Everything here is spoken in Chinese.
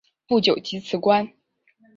不久即辞官。